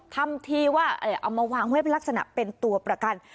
ทำทีว่าเอามาวางไว้เป็นลักษณะเป็นตัวประกัน